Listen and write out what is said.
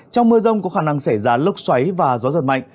trong mưa rông có khả năng xảy ra lốc xoáy và gió giật mạnh